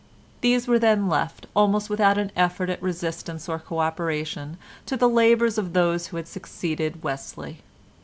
These were then left almost without an effort at resistance or co operation to the labours of those who had succeeded Wesley.